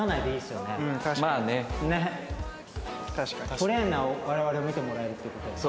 プレーンな我々を見てもらえるって事でね。